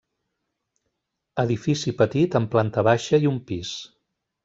Edifici petit, amb planta baixa i un pis.